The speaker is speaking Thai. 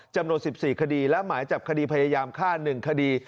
จำนวน๑๔คดีและหมายจับคดีพยายามฆ่า๑คดี